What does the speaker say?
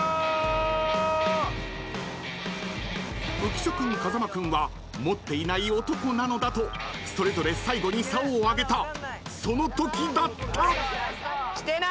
［浮所君風間君は持っていない男なのだとそれぞれ最後にさおを上げたそのときだった］